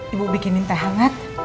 ibu bikinin teh hangat